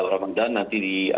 ramadan nanti di